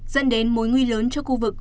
dẫn đến mối nguy lớn cho khu vực